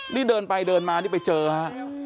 นี่เดินไปเดินมานี่ไปเจอฮะ